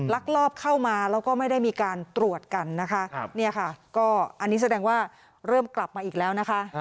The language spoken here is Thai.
ลักลอบเข้ามาแล้วก็ไม่ได้มีการตรวจกันนะคะเนี่ยค่ะก็อันนี้แสดงว่าเริ่มกลับมาอีกแล้วนะคะ